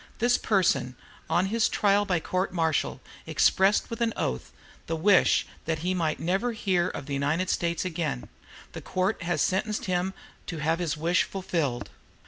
"This person on his trial by court martial expressed, with an oath, the wish that he might 'never hear of the United States again.' "The Court sentenced him to have his wish fulfilled.